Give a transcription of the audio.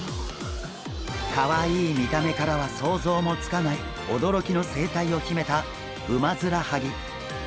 かわいい見た目からは想像もつかない驚きの生態を秘めたウマヅラハギ。